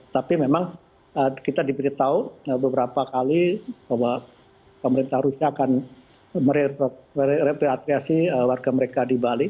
tapi memang kita diberitahu beberapa kali bahwa pemerintah rusia akan merepatriasi warga mereka di bali